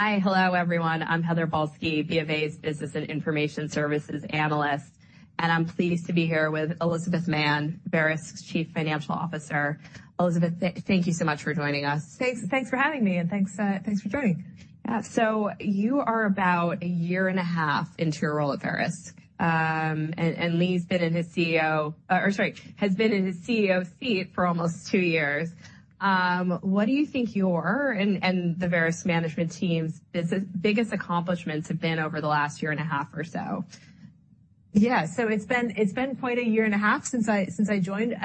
Hi, hello everyone. I'm Heather Balsky, BofA's Business and Information Services Analyst, and I'm pleased to be here with Elizabeth Mann, Verisk's Chief Financial Officer. Elizabeth, thank you so much for joining us. Thanks, thanks for having me, and thanks, thanks for joining. Yeah, so you are about a year and a half into your role at Verisk, and Lee's been in his CEO seat for almost two years. What do you think your and the Verisk management team's biggest accomplishments have been over the last year and a half or so? Yeah, so it's been it's been quite a year and a half since I joined.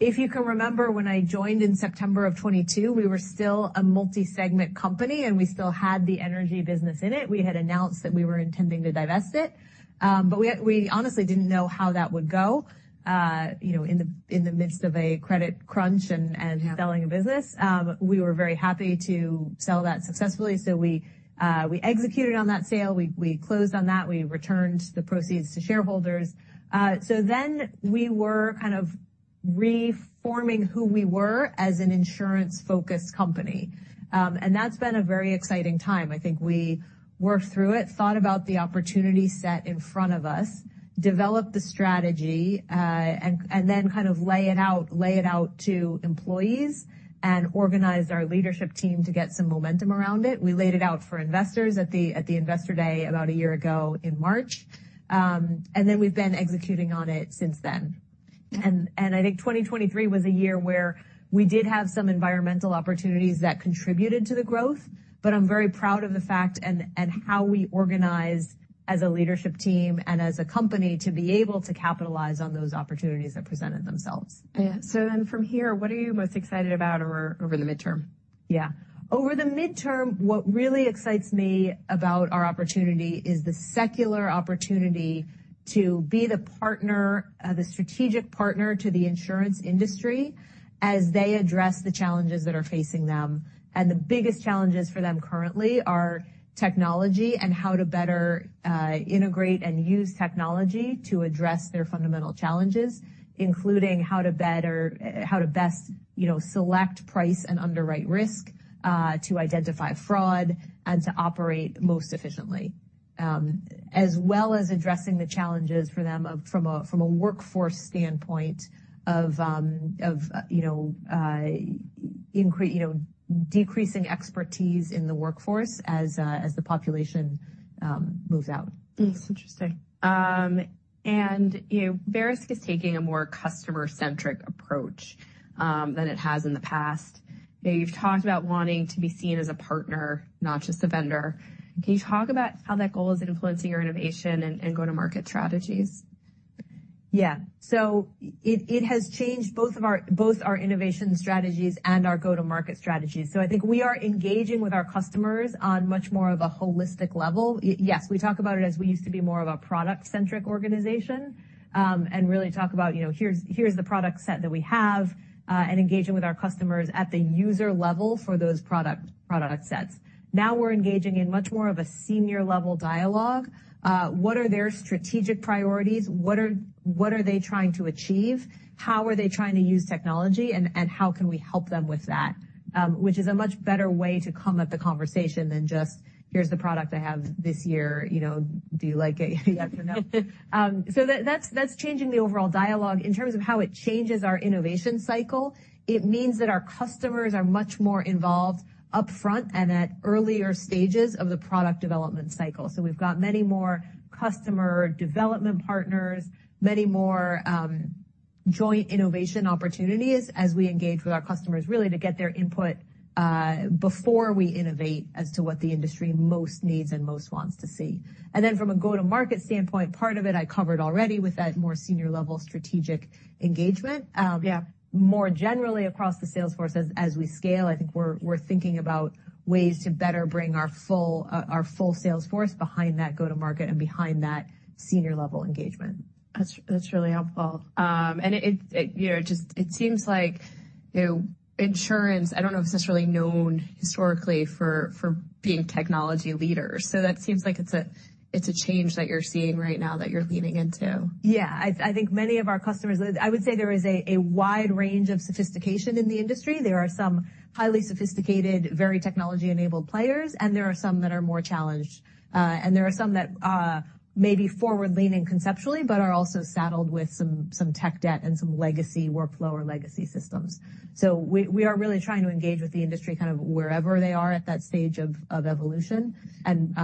If you can remember, when I joined in September of 2022, we were still a multi-segment company, and we still had the energy business in it. We had announced that we were intending to divest it, but we honestly didn't know how that would go, you know, in the midst of a credit crunch and. Yeah. Selling a business, we were very happy to sell that successfully, so we executed on that sale. We closed on that. We returned the proceeds to shareholders. So then we were kind of re-forming who we were as an insurance-focused company. And that's been a very exciting time. I think we worked through it, thought about the opportunity set in front of us, developed the strategy, and then kind of lay it out to employees and organized our leadership team to get some momentum around it. We laid it out for investors at the Investor Day about a year ago in March, and then we've been executing on it since then. Yeah. I think 2023 was a year where we did have some environmental opportunities that contributed to the growth, but I'm very proud of the fact and how we organized as a leadership team and as a company to be able to capitalize on those opportunities that presented themselves. Yeah, so then from here, what are you most excited about over, over the midterm? Yeah, over the midterm, what really excites me about our opportunity is the secular opportunity to be the partner, the strategic partner to the insurance industry as they address the challenges that are facing them. And the biggest challenges for them currently are technology and how to better integrate and use technology to address their fundamental challenges, including how to best, you know, select, price, and underwrite risk, to identify fraud, and to operate most efficiently, as well as addressing the challenges for them from a workforce standpoint of, you know, decreasing expertise in the workforce as the population moves out. That's interesting. You know, Verisk is taking a more customer-centric approach than it has in the past. You know, you've talked about wanting to be seen as a partner, not just a vendor. Can you talk about how that goal is influencing your innovation and go-to-market strategies? Yeah, so it has changed both of our innovation strategies and our go-to-market strategies. So I think we are engaging with our customers on much more of a holistic level. Yes, we talk about it as we used to be more of a product-centric organization, and really talk about, you know, here's the product set that we have, and engaging with our customers at the user level for those product sets. Now we're engaging in much more of a senior-level dialogue. What are their strategic priorities? What are they trying to achieve? How are they trying to use technology, and how can we help them with that, which is a much better way to come at the conversation than just, "Here's the product I have this year. You know, do you like it? Yes or no?" So that's changing the overall dialogue. In terms of how it changes our innovation cycle, it means that our customers are much more involved upfront and at earlier stages of the product development cycle. So we've got many more customer development partners, many more, joint innovation opportunities as we engage with our customers, really to get their input, before we innovate as to what the industry most needs and most wants to see. And then from a go-to-market standpoint, part of it I covered already with that more senior-level strategic engagement. Yeah. More generally across the sales force, as we scale, I think we're thinking about ways to better bring our full sales force behind that go-to-market and behind that senior-level engagement. That's really helpful. And it, you know, it just seems like, you know, insurance. I don't know if it's necessarily known historically for being technology leaders. So that seems like it's a change that you're seeing right now that you're leaning into. Yeah, I think many of our customers, I would say there is a wide range of sophistication in the industry. There are some highly sophisticated, very technology-enabled players, and there are some that are more challenged. And there are some that may be forward-leaning conceptually but are also saddled with some tech debt and some legacy workflow or legacy systems. So we are really trying to engage with the industry kind of wherever they are at that stage of evolution and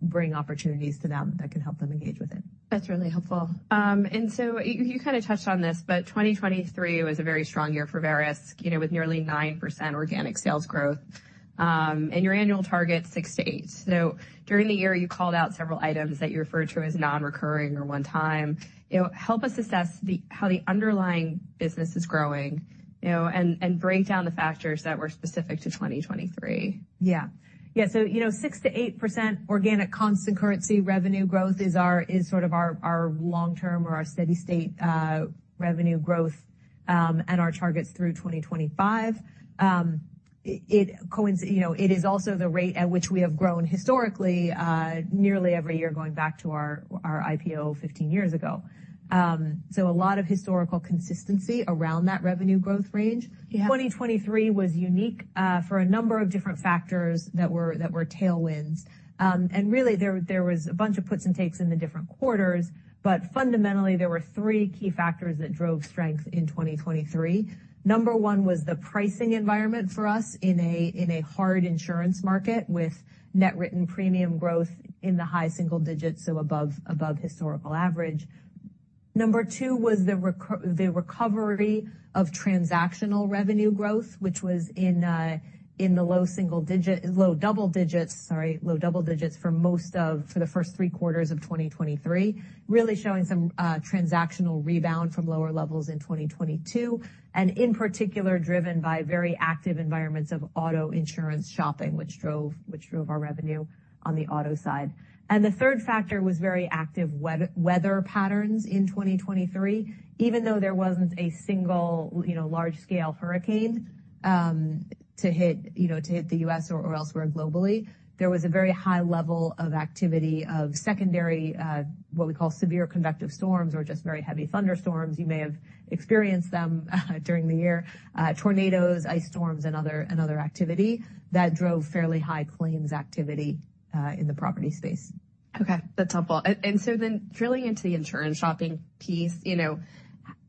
bring opportunities to them that can help them engage with it. That's really helpful. And so you, you kind of touched on this, but 2023 was a very strong year for Verisk, you know, with nearly 9% organic sales growth, and your annual target 6%-8%. So during the year, you called out several items that you referred to as non-recurring or one-time. You know, help us assess how the underlying business is growing, you know, and and break down the factors that were specific to 2023. So, you know, 6%-8% organic constant currency revenue growth is sort of our long-term or our steady state revenue growth, and our targets through 2025. It coincides, you know. It is also the rate at which we have grown historically, nearly every year going back to our IPO 15 years ago. So a lot of historical consistency around that revenue growth range. Yeah. 2023 was unique for a number of different factors that were tailwinds. And really, there was a bunch of puts and takes in the different quarters, but fundamentally, there were three key factors that drove strength in 2023. Number one was the pricing environment for us in a hard insurance market with net written premium growth in the high single digits, so above historical average. Number two was the recovery of transactional revenue growth, which was in the low double digits for most of the first three quarters of 2023, really showing some transactional rebound from lower levels in 2022, and in particular, driven by very active environments of auto insurance shopping, which drove our revenue on the auto side. And the third factor was very active weather patterns in 2023. Even though there wasn't a single, you know, large-scale hurricane to hit, you know, the U.S. or elsewhere globally, there was a very high level of activity of secondary, what we call severe convective storms or just very heavy thunderstorms. You may have experienced them during the year, tornadoes, ice storms, and other activity that drove fairly high claims activity in the property space. Okay, that's helpful. And so then drilling into the insurance shopping piece, you know,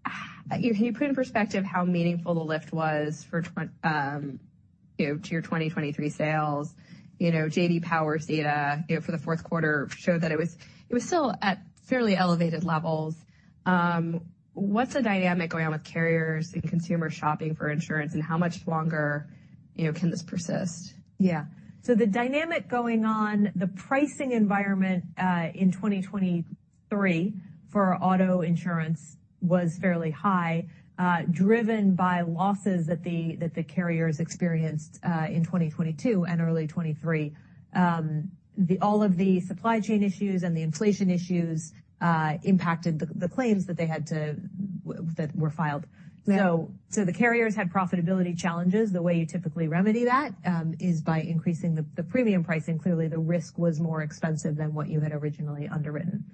how can you put in perspective how meaningful the lift was for twenty, you know, to your 2023 sales? You know, J.D. Power's data, you know, for the fourth quarter showed that it was still at fairly elevated levels. What's the dynamic going on with carriers and consumer shopping for insurance, and how much longer, you know, can this persist? Yeah, so the dynamic going on, the pricing environment, in 2023 for auto insurance was fairly high, driven by losses that the carriers experienced, in 2022 and early 2023. All of the supply chain issues and the inflation issues impacted the claims that were filed. Yeah. So, the carriers had profitability challenges. The way you typically remedy that is by increasing the premium pricing. Clearly, the risk was more expensive than what you had originally underwritten.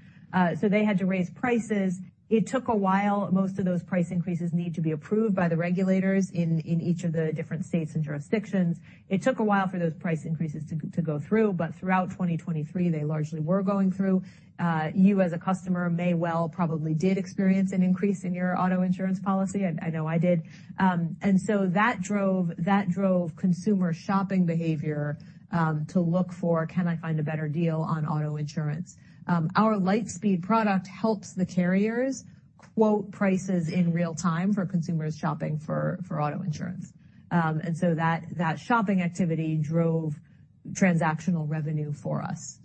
So they had to raise prices. It took a while. Most of those price increases need to be approved by the regulators in each of the different states and jurisdictions. It took a while for those price increases to go through, but throughout 2023, they largely were going through. You as a customer may well, probably did experience an increase in your auto insurance policy. I know I did. And so that drove consumer shopping behavior, to look for, "Can I find a better deal on auto insurance?" Our LightSpeed product helps the carriers quote prices in real time for consumers shopping for auto insurance. And so that shopping activity drove transactional revenue for us.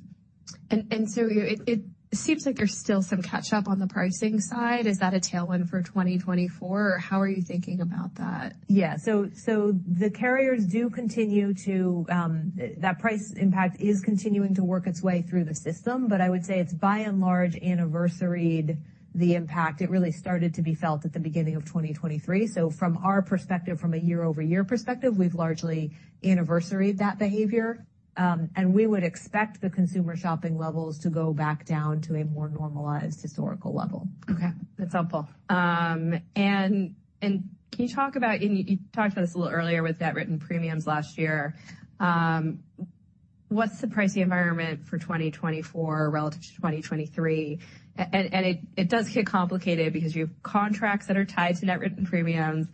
So, you know, it seems like there's still some catch-up on the pricing side. Is that a tailwind for 2024, or how are you thinking about that? Yeah, so, so the carriers do continue to that price impact is continuing to work its way through the system, but I would say it's by and large anniversaried the impact. It really started to be felt at the beginning of 2023. So from our perspective, from a year-over-year perspective, we've largely anniversaried that behavior, and we would expect the consumer shopping levels to go back down to a more normalized historical level. Okay, that's helpful. And can you talk about you talked about this a little earlier with net written premiums last year. What's the pricing environment for 2024 relative to 2023? And it does get complicated because you have contracts that are tied to net written premiums,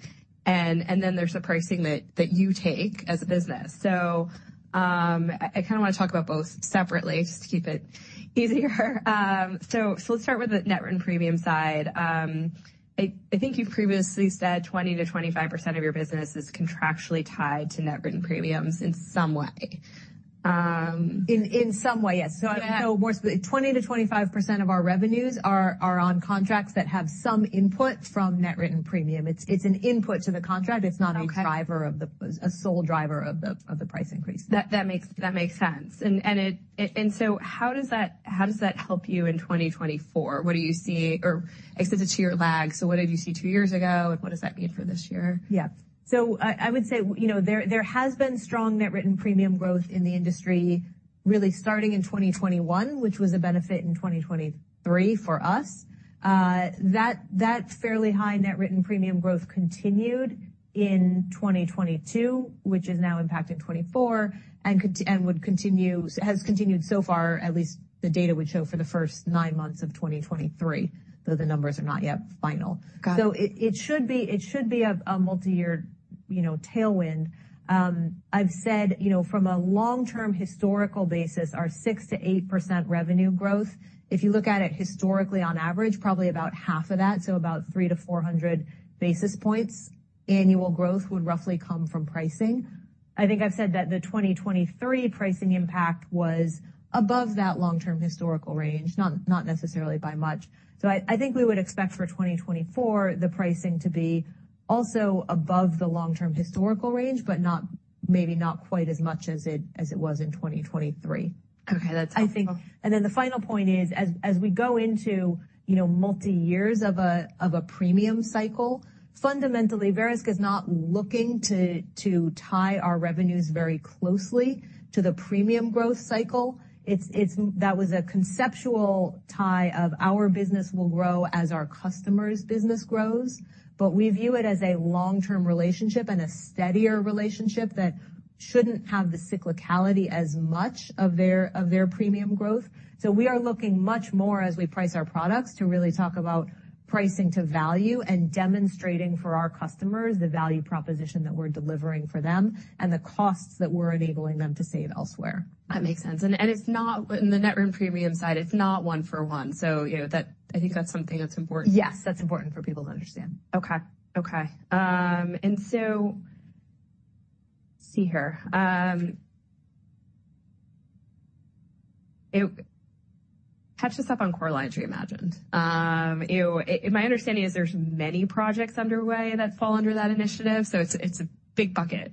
and then there's the pricing that you take as a business. So I kind of wanna talk about both separately just to keep it easier. So let's start with the net written premium side. I think you've previously said 20%-25% of your business is contractually tied to net written premiums in some way. In some way, yes. So I know more or less 20%-25% of our revenues are on contracts that have some input from net written premium. It's an input to the contract. It's not a. Okay. Driver of the sole driver of the price increase. That makes sense. And so how does that help you in 2024? What do you see, or I said it's a year lag, so what did you see two years ago, and what does that mean for this year? Yeah, so I, I would say, you know, there, there has been strong net written premium growth in the industry really starting in 2021, which was a benefit in 2023 for us. That, that fairly high net written premium growth continued in 2022, which is now impacting 2024 and continuing and would continue has continued so far, at least the data would show, for the first nine months of 2023, though the numbers are not yet final. Got it. So it should be a multi-year, you know, tailwind. I've said, you know, from a long-term historical basis, our 6%-8% revenue growth, if you look at it historically on average, probably about half of that, so about 300-400 basis points annual growth would roughly come from pricing. I think I've said that the 2023 pricing impact was above that long-term historical range, not necessarily by much. So I think we would expect for 2024, the pricing to be also above the long-term historical range but maybe not quite as much as it was in 2023. Okay, that's helpful. I think and then the final point is, as we go into, you know, multi-years of a premium cycle, fundamentally, Verisk is not looking to tie our revenues very closely to the premium growth cycle. It's more that was a conceptual tie of our business will grow as our customer's business grows, but we view it as a long-term relationship and a steadier relationship that shouldn't have the cyclicality as much of their premium growth. So we are looking much more, as we price our products, to really talk about pricing to value and demonstrating for our customers the value proposition that we're delivering for them and the costs that we're enabling them to save elsewhere. That makes sense. And it's not one in the net written premium side, it's not one-for-one. So, you know, that I think that's something that's important. Yes, that's important for people to understand. Okay, okay. And so let's see here. It catches up on Core Lines Reimagine. You know, it is my understanding is there's many projects underway that fall under that initiative, so it's, it's a big bucket.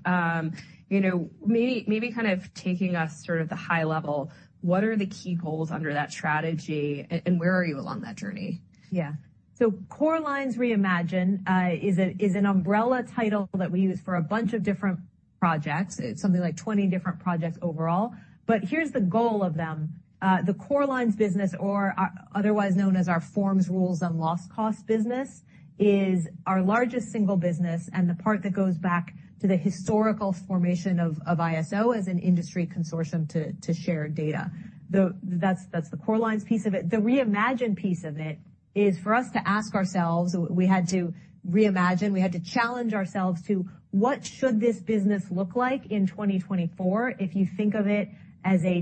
You know, maybe, maybe kind of taking us sort of the high level, what are the key goals under that strategy, and where are you along that journey? Yeah, so Core Lines Reimagine is an umbrella title that we use for a bunch of different projects. It's something like 20 different projects overall, but here's the goal of them. The Core Lines business, or otherwise known as our Forms, Rules, and Loss Costs business, is our largest single business and the part that goes back to the historical formation of ISO as an industry consortium to share data. That's the Core Lines piece of it. The Reimagine piece of it is for us to ask ourselves we had to reimagine. We had to challenge ourselves to, "What should this business look like in 2024 if you think of it as a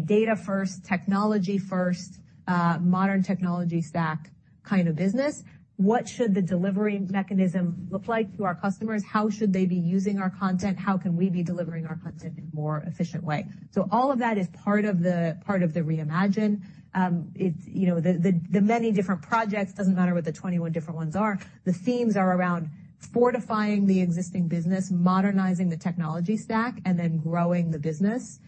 data-first, technology-first, modern technology stack kind of business? What should the delivery mechanism look like to our customers? How should they be using our content? How can we be delivering our content in a more efficient way?" So all of that is part of the Reimagine. It's, you know, the many different projects. It doesn't matter what the 21 different ones are. The themes are around fortifying the existing business, modernizing the technology stack, and then growing the business.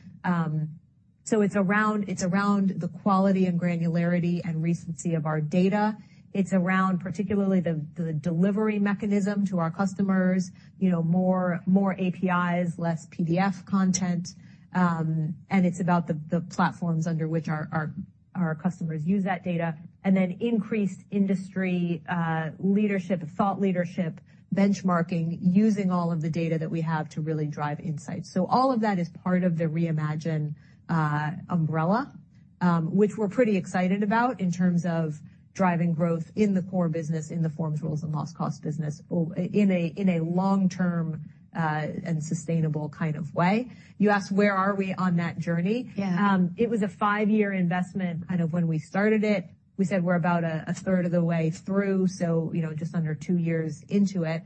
So it's around the quality and granularity and recency of our data. It's around particularly the delivery mechanism to our customers, you know, more APIs, less PDF content. And it's about the platforms under which our customers use that data and then increased industry leadership, thought leadership, benchmarking using all of the data that we have to really drive insights. So all of that is part of the Reimagine umbrella, which we're pretty excited about in terms of driving growth in the core business, in the Forms, Rules, and Loss Costs business, in a long-term and sustainable kind of way. You asked, "Where are we on that journey? Yeah. It was a five-year investment. Kind of when we started it, we said we're about a third of the way through, so, you know, just under two years into it.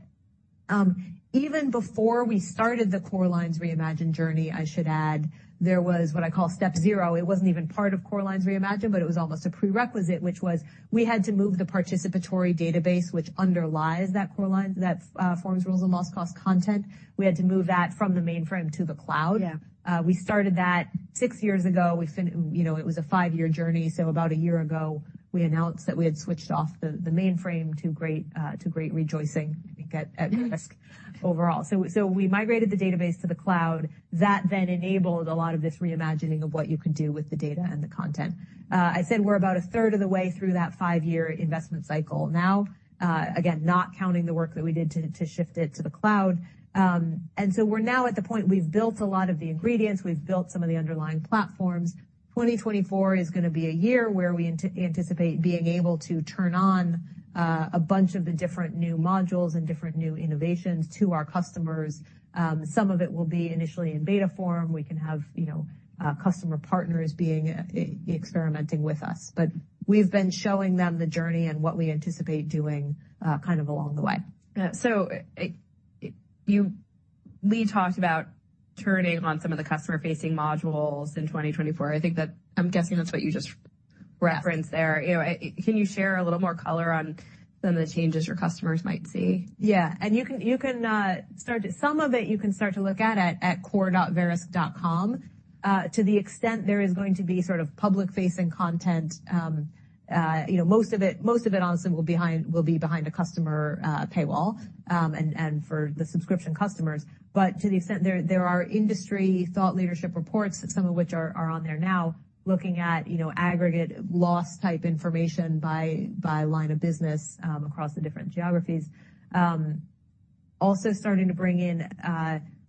Even before we started the Core Lines Reimagine journey, I should add, there was what I call step zero. It wasn't even part of Core Lines Reimagine, but it was almost a prerequisite, which was we had to move the participatory database, which underlies that Core Lines, that Forms, Rules, and Loss Costs content. We had to move that from the mainframe to the cloud. Yeah. We started that six years ago. We finished, you know, it was a five-year journey, so about a year ago, we announced that we had switched off the mainframe to great rejoicing, I think, at Verisk overall. So we migrated the database to the cloud. That then enabled a lot of this reimagining of what you could do with the data and the content. I said we're about a third of the way through that five-year investment cycle now, again, not counting the work that we did to shift it to the cloud, and so we're now at the point we've built a lot of the ingredients. We've built some of the underlying platforms. 2024 is gonna be a year where we anticipate being able to turn on a bunch of the different new modules and different new innovations to our customers. Some of it will be initially in beta form. We can have, you know, customer partners being experimenting with us, but we've been showing them the journey and what we anticipate doing, kind of along the way. So you, Lee, talked about turning on some of the customer-facing modules in 2024. I think that I'm guessing that's what you just referenced there. You know, can you share a little more color on some of the changes your customers might see? Yeah, and you can start to look at some of it at core.verisk.com. To the extent there is going to be sort of public-facing content, you know, most of it, honestly, will be behind a customer paywall, and for the subscription customers. But to the extent there are industry thought leadership reports, some of which are on there now, looking at, you know, aggregate loss-type information by line of business, across the different geographies. Also starting to bring in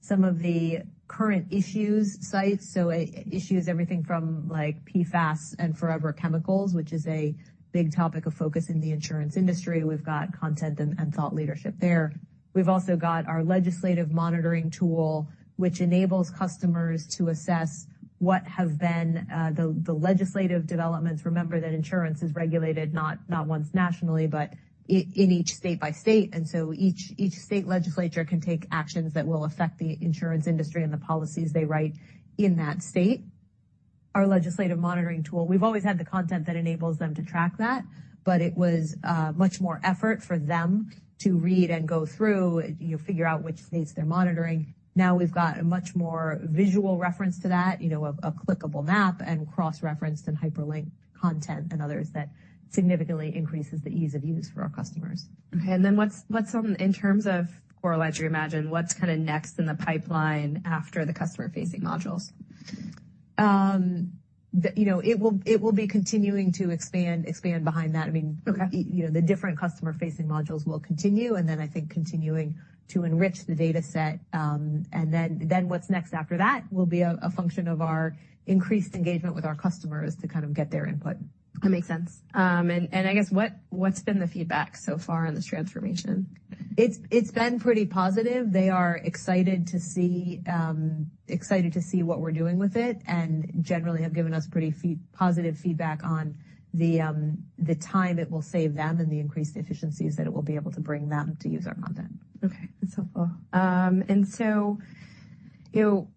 some of the current issues sites, so issues, everything from, like, PFAS and forever chemicals, which is a big topic of focus in the insurance industry. We've got content and thought leadership there. We've also got our legislative monitoring tool, which enables customers to assess what have been the legislative developments. Remember that insurance is regulated not once nationally, but in each state by state, and so each state legislature can take actions that will affect the insurance industry and the policies they write in that state. Our Legislative Monitoring tool, we've always had the content that enables them to track that, but it was much more effort for them to read and go through, you know, figure out which states they're monitoring. Now we've got a much more visual reference to that, you know, a clickable map and cross-referenced and hyperlinked content and others that significantly increases the ease of use for our customers. Okay, and then what's, what's on in terms of Core Lines Reimagine, what's kind of next in the pipeline after the customer-facing modules? you know, it will be continuing to expand behind that. I mean. Okay. You know, the different customer-facing modules will continue, and then I think continuing to enrich the dataset, and then what's next after that will be a function of our increased engagement with our customers to kind of get their input. That makes sense. I guess what's been the feedback so far on this transformation? It's been pretty positive. They are excited to see what we're doing with it and generally have given us pretty good positive feedback on the time it will save them and the increased efficiencies that it will be able to bring them to use our content. Okay, that's helpful. And so, you know,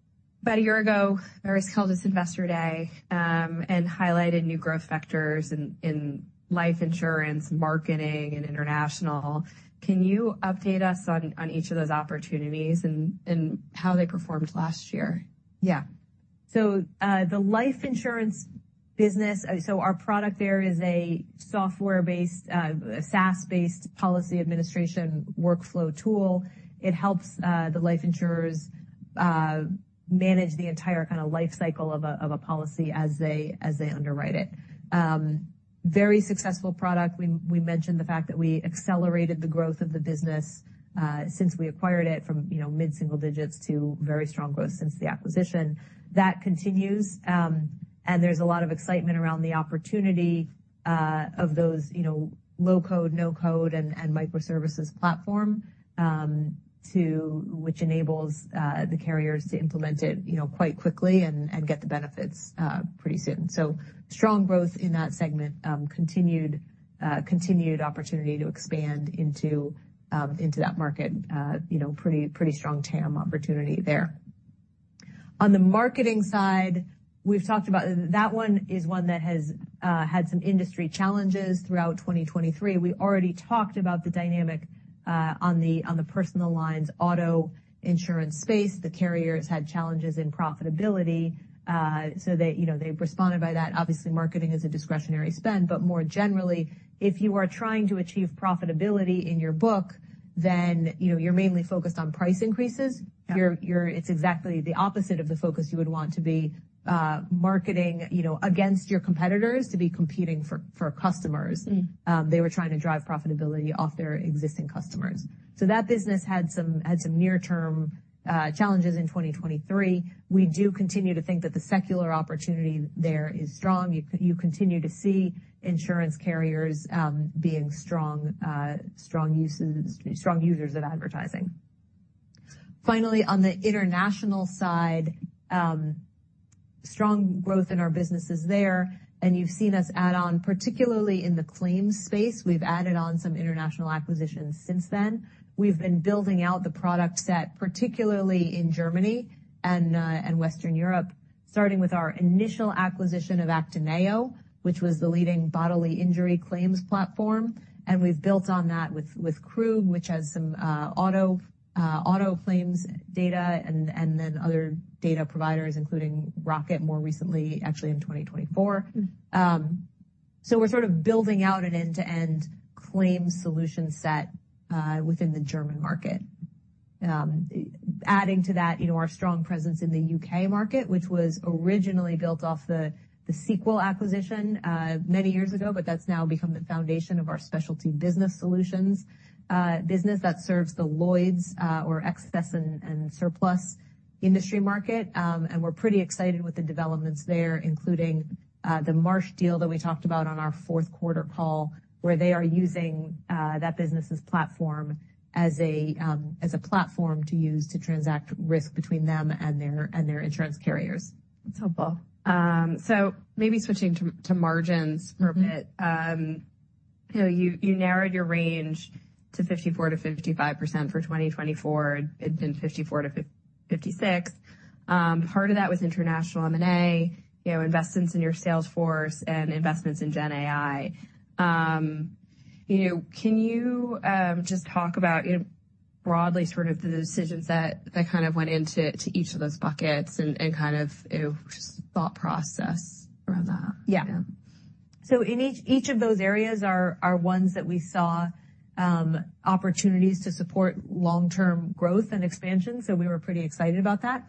about a year ago, Verisk held its Investor Day, and highlighted new growth vectors in, in life insurance, marketing, and international. Can you update us on, on each of those opportunities and, and how they performed last year? Yeah, so the life insurance business—so our product there is a software-based, a SaaS-based policy administration workflow tool. It helps the life insurers manage the entire kind of life cycle of a policy as they underwrite it. Very successful product. We mentioned the fact that we accelerated the growth of the business since we acquired it, you know, from mid-single digits to very strong growth since the acquisition. That continues, and there's a lot of excitement around the opportunity of those, you know, low-code, no-code, and microservices platform, which enables the carriers to implement it, you know, quite quickly and get the benefits pretty soon. So strong growth in that segment, continued opportunity to expand into that market, you know, pretty strong TAM opportunity there. On the marketing side, we've talked about that one is one that has had some industry challenges throughout 2023. We already talked about the dynamic on the personal lines auto insurance space. The carriers had challenges in profitability, so they, you know, they responded by that. Obviously, marketing is a discretionary spend, but more generally, if you are trying to achieve profitability in your book, then, you know, you're mainly focused on price increases. Yeah. It's exactly the opposite of the focus you would want to be marketing, you know, against your competitors to be competing for customers. Mm-hmm. They were trying to drive profitability off their existing customers. So that business had some near-term challenges in 2023. We do continue to think that the secular opportunity there is strong. You continue to see insurance carriers being strong users of advertising. Finally, on the international side, strong growth in our businesses there, and you've seen us add on particularly in the claims space. We've added on some international acquisitions since then. We've been building out the product set, particularly in Germany and Western Europe, starting with our initial acquisition of Actineo, which was the leading bodily injury claims platform. And we've built on that with Krug, which has some auto claims data and then other data providers, including Rocket more recently, actually in 2024. Mm-hmm. So we're sort of building out an end-to-end claim solution set within the German market, adding to that, you know, our strong presence in the U.K. market, which was originally built off the Sequel acquisition many years ago, but that's now become the foundation of our specialty business solutions business that serves the Lloyd's or excess and surplus industry market. And we're pretty excited with the developments there, including the Marsh deal that we talked about on our fourth-quarter call where they are using that business's platform as a platform to use to transact risk between them and their insurance carriers. That's helpful. So maybe switching to margins for a bit. Mm-hmm. You know, you narrowed your range to 54%-55% for 2024. It'd been 54%-56%. Part of that was international M&A, you know, investments in your sales force and investments in GenAI. You know, can you just talk about, you know, broadly sort of the decisions that kind of went into each of those buckets and kind of, you know, just thought process around that? Yeah. Yeah. So in each of those areas are ones that we saw opportunities to support long-term growth and expansion, so we were pretty excited about that.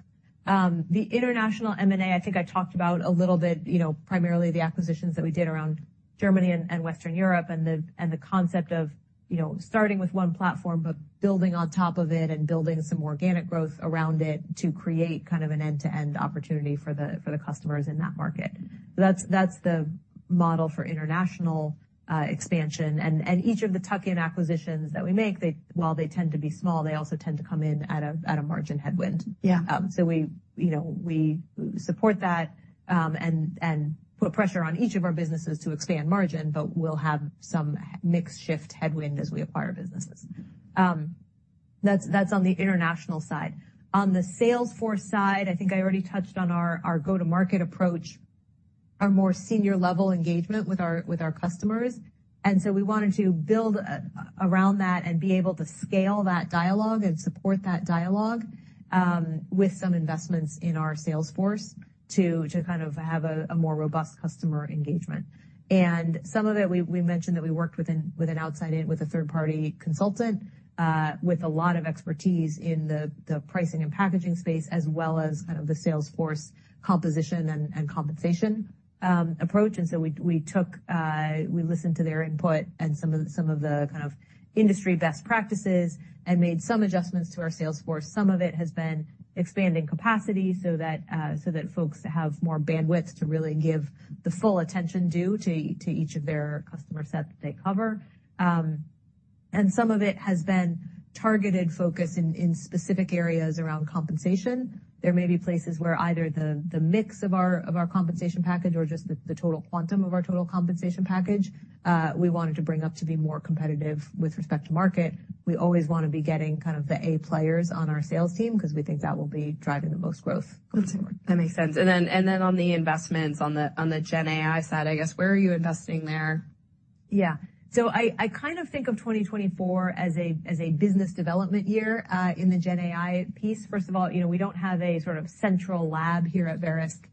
The international M&A, I think I talked about a little bit, you know, primarily the acquisitions that we did around Germany and Western Europe and the concept of, you know, starting with one platform but building on top of it and building some organic growth around it to create kind of an end-to-end opportunity for the customers in that market. So that's the model for international expansion. And each of the tuck-in acquisitions that we make, they while they tend to be small, they also tend to come in at a margin headwind. Yeah. So we, you know, we support that, and put pressure on each of our businesses to expand margin, but we'll have some mix-shift headwind as we acquire businesses. That's on the international side. On the sales force side, I think I already touched on our go-to-market approach, our more senior-level engagement with our customers. And so we wanted to build around that and be able to scale that dialogue and support that dialogue with some investments in our sales force to kind of have a more robust customer engagement. And some of it, we mentioned that we worked with an outside-in with a third-party consultant with a lot of expertise in the pricing and packaging space as well as kind of the sales force composition and compensation approach. We took, we listened to their input and some of the kind of industry best practices and made some adjustments to our sales force. Some of it has been expanding capacity so that folks have more bandwidth to really give the full attention due to each of their customer sets that they cover. Some of it has been targeted focus in specific areas around compensation. There may be places where either the mix of our compensation package or just the total quantum of our total compensation package, we wanted to bring up to be more competitive with respect to market. We always wanna be getting kind of the A players on our sales team 'cause we think that will be driving the most growth going forward. That makes sense. And then on the investments on the GenAI side, I guess, where are you investing there? Yeah, so I, I kind of think of 2024 as a as a business development year, in the GenAI piece. First of all, you know, we don't have a sort of central lab here at Verisk,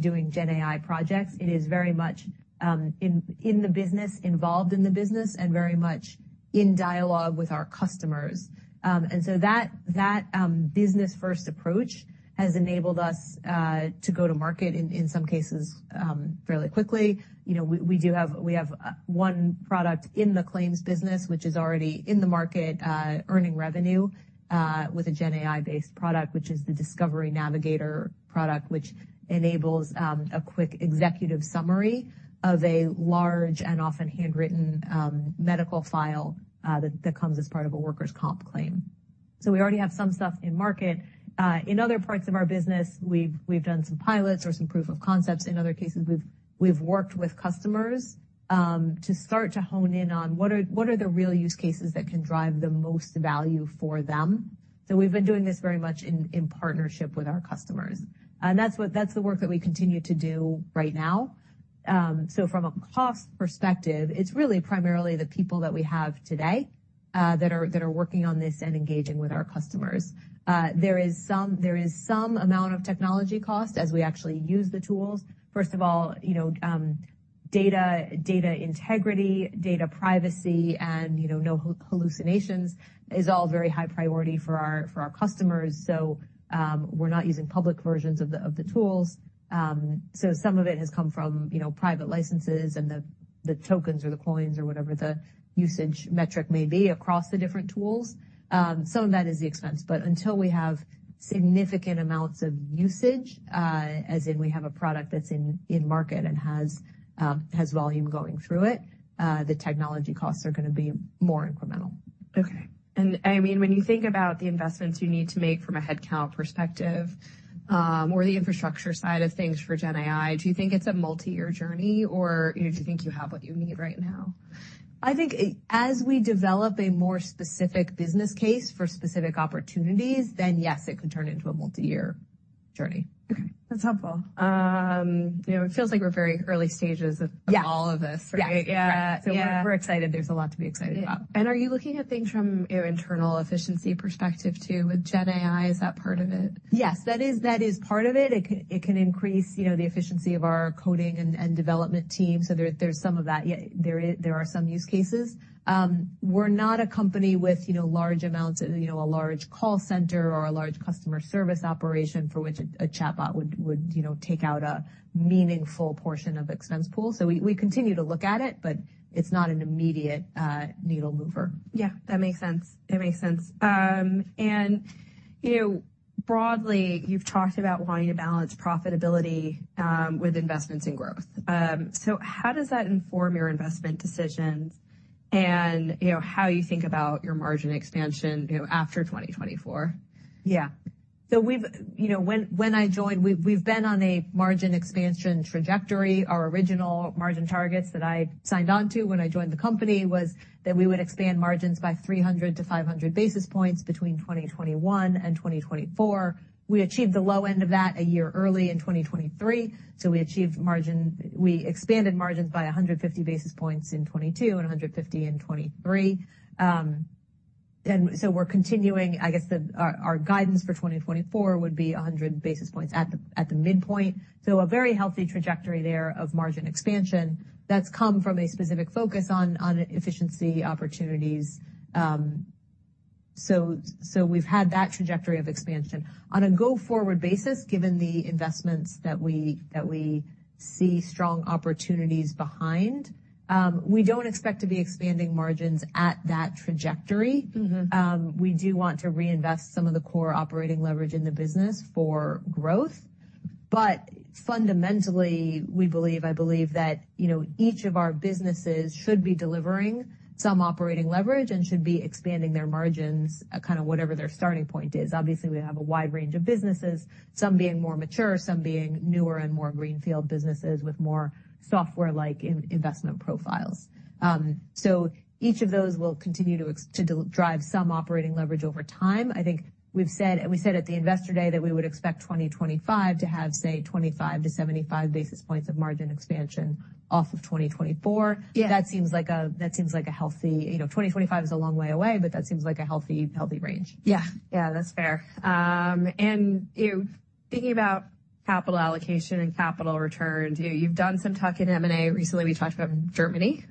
doing GenAI projects. It is very much, in, in the business involved in the business and very much in dialogue with our customers. And so that, that, business-first approach has enabled us, to go to market in, in some cases, fairly quickly. You know, we, we do have we have, one product in the claims business, which is already in the market, earning revenue, with a GenAI-based product, which is the Discovery Navigator product, which enables, a quick executive summary of a large and often handwritten, medical file, that, that comes as part of a workers' comp claim. So we already have some stuff in market. In other parts of our business, we've done some pilots or some proof of concepts. In other cases, we've worked with customers to start to hone in on what are the real use cases that can drive the most value for them. So we've been doing this very much in partnership with our customers. And that's what the work that we continue to do right now. So from a cost perspective, it's really primarily the people that we have today that are working on this and engaging with our customers. There is some amount of technology cost as we actually use the tools. First of all, you know, data integrity, data privacy, and, you know, no hallucinations is all very high priority for our customers. So, we're not using public versions of the tools. So some of it has come from, you know, private licenses and the tokens or the coins or whatever the usage metric may be across the different tools. Some of that is the expense. But until we have significant amounts of usage, as in we have a product that's in market and has volume going through it, the technology costs are gonna be more incremental. Okay, and I mean, when you think about the investments you need to make from a headcount perspective, or the infrastructure side of things for GenAI, do you think it's a multi-year journey, or, you know, do you think you have what you need right now? I think, as we develop a more specific business case for specific opportunities, then yes, it could turn into a multi-year journey. Okay, that's helpful. You know, it feels like we're very early stages of. Yeah. Of all of this, right? Yeah, yeah. Yeah, so we're excited. There's a lot to be excited about. Are you looking at things from, you know, internal efficiency perspective too with GenAI? Is that part of it? Yes, that is part of it. It can increase, you know, the efficiency of our coding and development team. So there's some of that. Yeah, there are some use cases. We're not a company with, you know, large amounts of, you know, a large call center or a large customer service operation for which a chatbot would, you know, take out a meaningful portion of expense pool. So we continue to look at it, but it's not an immediate needle mover. Yeah, that makes sense. It makes sense. You know, broadly, you've talked about wanting to balance profitability with investments in growth. How does that inform your investment decisions and, you know, how you think about your margin expansion, you know, after 2024? Yeah, so we've, you know, when I joined, we've been on a margin expansion trajectory. Our original margin targets that I signed onto when I joined the company was that we would expand margins by 300-500 basis points between 2021 and 2024. We achieved the low end of that a year early in 2023, so we achieved; we expanded margins by 150 basis points in 2022 and 150 in 2023. And so we're continuing, I guess, our guidance for 2024 would be 100 basis points at the midpoint. So a very healthy trajectory there of margin expansion. That's come from a specific focus on efficiency opportunities. So we've had that trajectory of expansion. On a go-forward basis, given the investments that we see strong opportunities behind, we don't expect to be expanding margins at that trajectory. Mm-hmm. We do want to reinvest some of the core operating leverage in the business for growth. But fundamentally, we believe, I believe that, you know, each of our businesses should be delivering some operating leverage and should be expanding their margins, kind of whatever their starting point is. Obviously, we have a wide range of businesses, some being more mature, some being newer and more greenfield businesses with more software-like investment profiles. So each of those will continue to expect to deliver some operating leverage over time. I think we've said, we said at the Investor Day that we would expect 2025 to have, say, 25-75 basis points of margin expansion off of 2024. Yeah. That seems like a healthy, you know, 2025 is a long way away, but that seems like a healthy, healthy range. Yeah, yeah, that's fair. You know, thinking about capital allocation and capital return, you know, you've done some tuck-in M&A. Recently, we talked about Germany.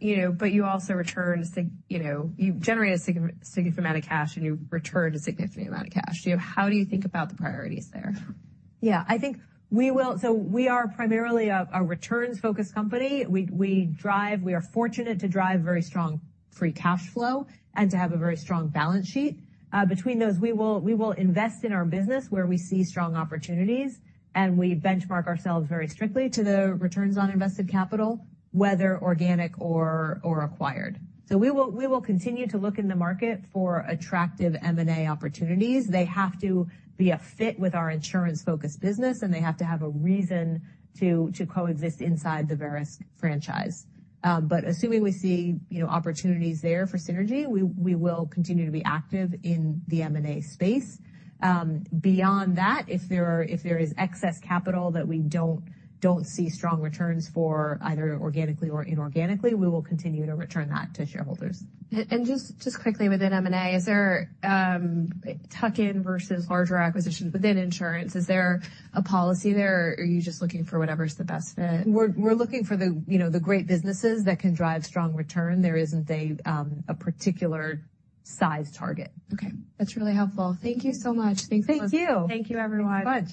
You know, but you also generate a significant amount of cash, and you return a significant amount of cash. You know, how do you think about the priorities there? Yeah, I think we will. So we are primarily a returns-focused company. We drive; we are fortunate to drive very strong free cash flow and to have a very strong balance sheet. Between those, we will invest in our business where we see strong opportunities, and we benchmark ourselves very strictly to the returns on invested capital, whether organic or acquired. So we will continue to look in the market for attractive M&A opportunities. They have to be a fit with our insurance-focused business, and they have to have a reason to coexist inside the Verisk franchise. But assuming we see, you know, opportunities there for synergy, we will continue to be active in the M&A space. Beyond that, if there is excess capital that we don't see strong returns for either organically or inorganically, we will continue to return that to shareholders. And just, just quickly within M&A, is there a tuck-in versus larger acquisitions within insurance? Is there a policy there, or are you just looking for whatever's the best fit? We're looking for the, you know, the great businesses that can drive strong return. There isn't a particular size target. Okay, that's really helpful. Thank you so much. Thanks so much. Thank you. Thank you, everyone. Bye-bye.